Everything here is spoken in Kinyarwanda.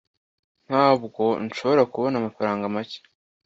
ntabwo nshobora kubona amafaranga make